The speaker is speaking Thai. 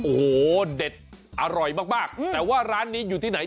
โอ้โหเด็ดอร่อยมากแต่ว่าร้านนี้อยู่ที่ไหน